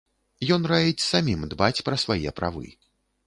Ён раіць самім дбаць пра свае правы.